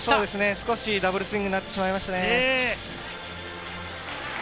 少しダブルスイングになってしまいましたね。